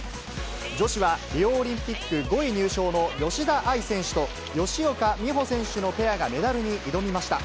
女子はリオオリンピック５位入賞の吉田愛選手と、吉岡美帆選手のペアがメダルに挑みました。